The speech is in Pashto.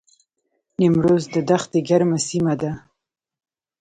نیمروز د دښتې ګرمه سیمه ده